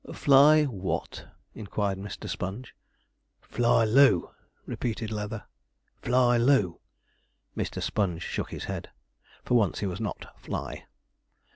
'Fly what?' inquired Mr. Sponge. 'Fly loo,' repeated Leather, 'fly loo.' Mr. Sponge shook his head. For once he was not 'fly.'